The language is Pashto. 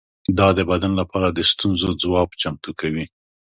دا د بدن لپاره د ستونزو ځواب چمتو کوي.